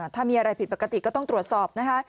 ถ้ามีอะไรผิดปกติก็ต้องตรวจสอบนะคะ